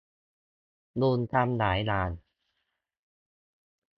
ลุงทำหลายอย่าง